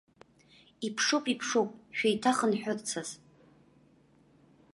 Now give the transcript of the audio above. Иԥшуп, иԥшуп шәеиҭахынҳәырцаз.